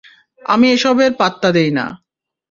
আমি এসবের পাত্তা দেইনা।